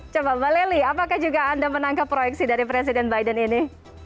coba mbak lely apakah juga anda menangkap proyeksi dari presiden biden ini